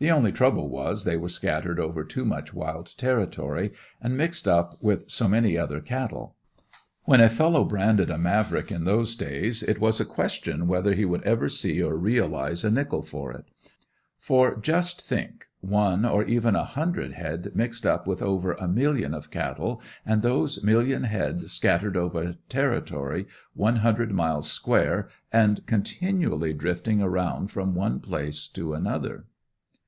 The only trouble was they were scattered over too much wild territory and mixed up with so many other cattle. When a fellow branded a Mavrick in those days it was a question whether he would ever see or realize a nickel for it. For just think, one, or even a hundred head mixed up with over a million of cattle, and those million head scattered over a territory one hundred miles square and continually drifting around from one place to another.